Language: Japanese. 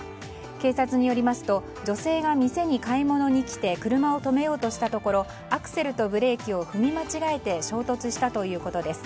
警察によりますと女性が店に買い物に来て車を止めようとしたところアクセルとブレーキを踏み間違えて衝突したということです。